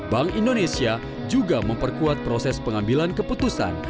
bank indonesia juga memperkuat proses pengambilan keputusan